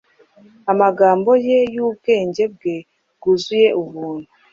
Amagambo ye,y ubwenge bwe bwuzuye Ubuntu